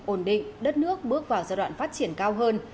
ổn định đất nước bước vào giai đoạn phát triển cao hơn